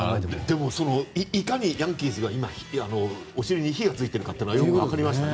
でもいかにヤンキースがお尻に火がついているかというのがよくわかりました。